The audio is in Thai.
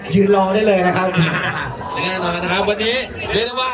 ยืนรอได้เลยนะครับอย่างแน่นอนนะครับวันนี้เรียกได้ว่า